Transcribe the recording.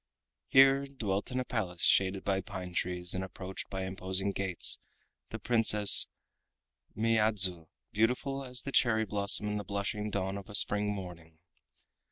Here dwelt in a Palace shaded by pine trees and approached by imposing gates, the Princess Miyadzu, beautiful as the cherry blossom in the blushing dawn of a spring morning.